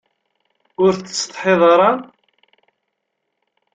Ur tsetḥiḍ ara?